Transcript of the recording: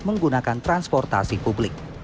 menggunakan transportasi publik